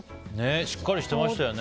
しっかりしてますよね。